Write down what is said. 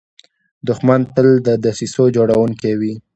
دښمن تل د دسیسو جوړونکی وي